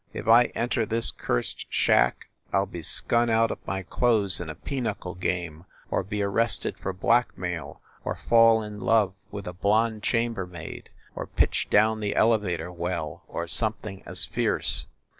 If I enter this cursed shack, I ll be skun out of my clothes in a pinochle game, or be arrested for blackmail, or fall in love with a blond chambermaid, or pitch down the elevator well, or something as fierce.